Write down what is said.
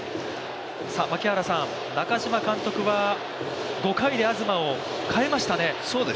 中嶋監督は５回で東を代えましたね